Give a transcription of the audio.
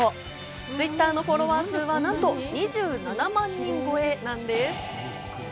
Ｔｗｉｔｔｅｒのフォロワー数はなんと２７万人超えなんです。